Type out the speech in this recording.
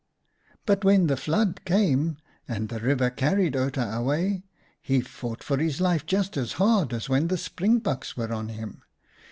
But when the flood came and the river carried Outa away, he fought for his life just as hard as when the springbucks were on him.